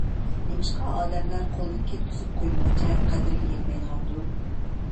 نېمىشقا ئادەملەر قولدىن كەتكۈزۈپ قويمىغۇچە قەدرىگە يەتمەيدىغاندۇ؟